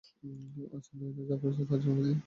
আজ নায়না যা করছে তার জন্য আমি দায়ী।